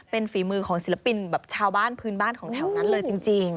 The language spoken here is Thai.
เป็นฝีมือของศิลปินแบบชาวบ้านพื้นบ้านของแถวนั้นเลยจริง